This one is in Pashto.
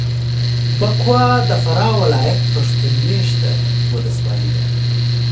بکوا د فراه ولایت پښتون مېشته ولسوالي ده.